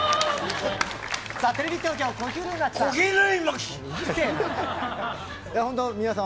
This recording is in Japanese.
テレビ東京、小比類巻さん。